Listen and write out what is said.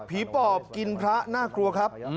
ปอบกินพระน่ากลัวครับ